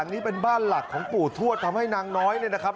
หลังนี้เป็นบ้านหลักของปู่ทวดทำให้นางน้อยนะครับ